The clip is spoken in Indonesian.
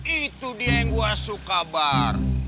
itu dia yang gue suka bar